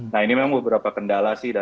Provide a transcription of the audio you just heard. nah ini memang beberapa kendala sih